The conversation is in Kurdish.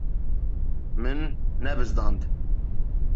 Min nebizdand.